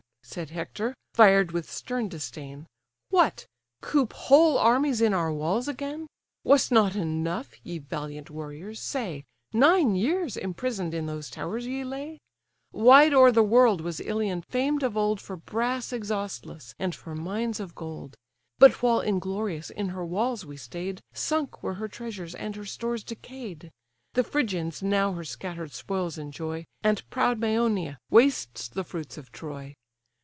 (said Hector, fired with stern disdain) What! coop whole armies in our walls again? Was't not enough, ye valiant warriors, say, Nine years imprison'd in those towers ye lay? Wide o'er the world was Ilion famed of old For brass exhaustless, and for mines of gold: But while inglorious in her walls we stay'd, Sunk were her treasures, and her stores decay'd; The Phrygians now her scatter'd spoils enjoy, And proud Mæonia wastes the fruits of Troy.